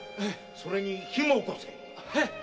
それに火も起こせ〕